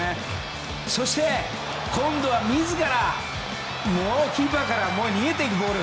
そして、今度は自らキーパーから逃げていくボール。